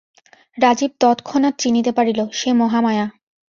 রাজীব তৎক্ষণাৎ চিনিতে পারিল, সে মহামায়া।